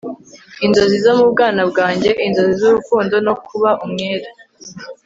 inzozi zo mu bwana bwanjye, inzozi z'urukundo no kuba umwere